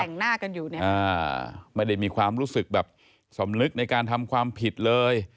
แต่งหน้ากันอยู่เนี่ยไม่ได้มีความรู้สึกแบบสำนึกในการทำความผิดเลย